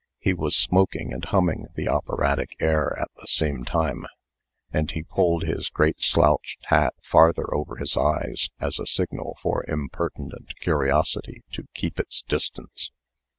He was smoking and humming the operatic air at the same time; and he pulled his great slouched hat farther over his eyes, as a signal for impertinent curiosity to keep its distance.